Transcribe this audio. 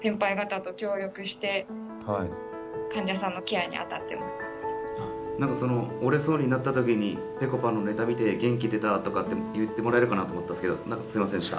あの今そうなると何かその折れそうになった時にぺこぱのネタ見て元気出たとか言ってもらえるかなと思ったんですけど何かすみませんでした。